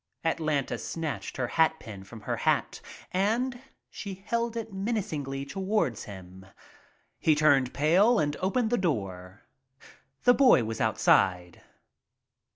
Atlanta snatched her hatpin from her hat and held it manacingly towards him. He turned pale and opened the door. The boy was outside.